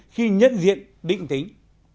khi nhận diện định tính